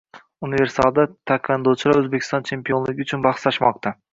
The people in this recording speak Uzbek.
«Universal»da taekvondochilar O‘zbekiston chempionligi uchun bahslashmoqdang